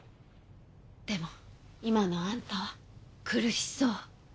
でも今のアンタは苦しそう。